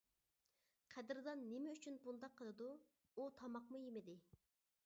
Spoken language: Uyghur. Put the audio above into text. قەدىردان نېمە ئۈچۈن بۇنداق قىلىدۇ؟ ئۇ تاماقمۇ يېمىدى.